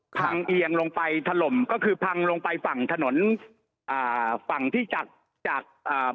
เอียงลงไปถล่มก็คือพังลงไปฝั่งถนนอ่าฝั่งที่จากจากจากอ่า